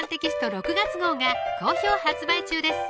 ６月号が好評発売中です